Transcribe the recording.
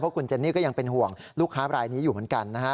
เพราะคุณเจนี่ก็ยังเป็นห่วงลูกค้าใบนี้อยู่เหมือนกัน